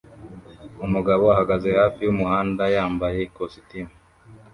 Umugabo ahagaze hafi yumuhanda yambaye ikositimu